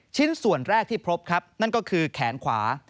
ชิ้นส่วนแรกที่พบครับนั่นก็คือแขนขวา